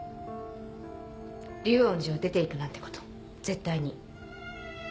竜恩寺を出ていくなんてこと絶対に。